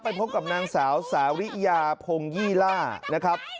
พบกับนางสาวสาริยาพงยี่ล่านะครับ